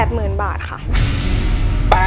หมื่นบาทค่ะ